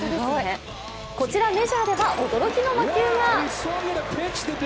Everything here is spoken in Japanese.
こちらメジャーでは驚きの魔球が。